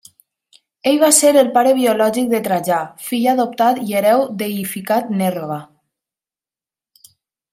Ell va ser el pare biològic de Trajà, fill adoptat i hereu del deïficat Nerva.